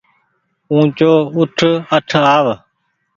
اُوچو اُٺ اٺ آو